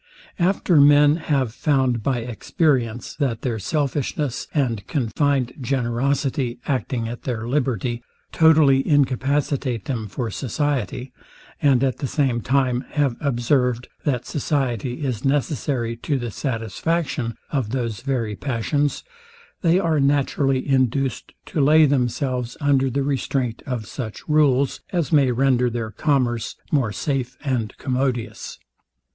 After men have found by experience, that their selfishness and confined generosity, acting at their liberty, totally incapacitate them for society; and at the same time have observed, that society is necessary to the satisfaction of those very passions, they are naturally induced to lay themselves under the restraint of such rules, as may render their commerce more safe and commodious.